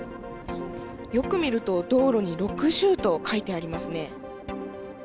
よく見ると道路に６０と書いてありますね。